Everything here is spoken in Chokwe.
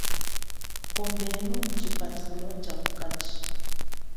Kombenu mu chipathulo chamukachi.